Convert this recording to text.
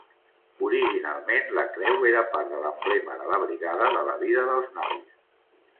Originalment, la creu era part de l'emblema de la Brigada de la Vida dels Nois